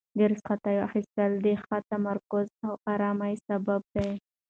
د رخصتیو اخیستل د ښه تمرکز او ارام سبب دی.